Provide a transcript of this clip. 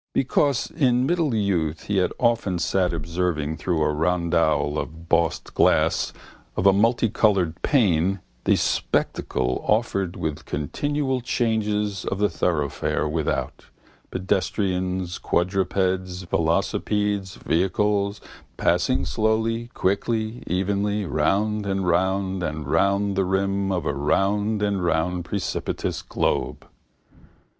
Because in middle youth he had often sat observing through a rondel of bossed glass of a multicoloured pane the spectacle offered with continual changes of the thoroughfare without, pedestrians, quadrupeds, velocipedes, vehicles, passing slowly, quickly, evenly, round and round and round the rim of a round and round precipitous globe.